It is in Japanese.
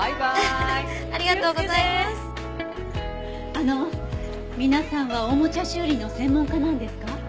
あの皆さんはおもちゃ修理の専門家なんですか？